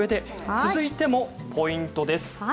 続いてポイントです。